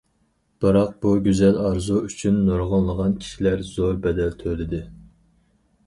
بىراق بۇ گۈزەل ئارزۇ ئۈچۈن نۇرغۇنلىغان كىشىلەر زور بەدەل تۆلىدى.